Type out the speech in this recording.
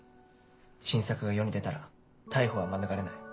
新作が世に出たら逮捕は免れない。